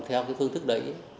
theo cái thương thức đấy